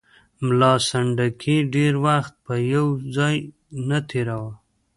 ملا سنډکي ډېر وخت په یو ځای نه تېراوه.